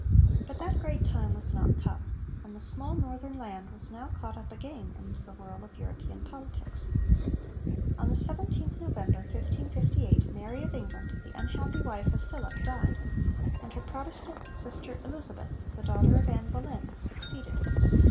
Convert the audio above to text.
But that great time was not come; and the small northern land was now caught up again into the whirl of European politics. On the 17th November 1558 Mary of England, the unhappy wife of Philip, died; and her Protestant sister Elizabeth, the daughter of Anne Boleyn, succeeded.